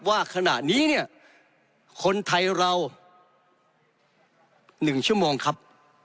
ว่าขณะนี้เนี่ยคนไทยเรา๑ชั่วโมงครับ